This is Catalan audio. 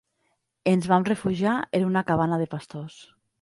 Ens vam refugiar en una cabana de pastors.